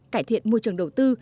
cải thiện môi trường đầu tư